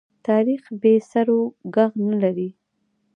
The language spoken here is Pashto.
تاریخ بې سرو ږغ نه لري.